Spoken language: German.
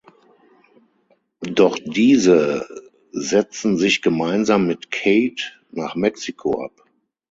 Doch diese setzen sich gemeinsam mit Kate nach Mexiko ab.